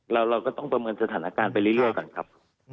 เราก็ต้องประเมินสถานการณ์ไปเรื่อยก่อนครับ